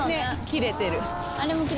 切れてる。